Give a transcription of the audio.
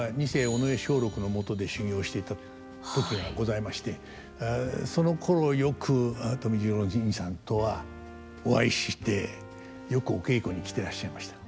尾上松緑のもとで修業していた時がございましてそのころよく富十郎にいさんとはお会いしてよくお稽古に来てらっしゃいました。